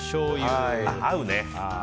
合うね。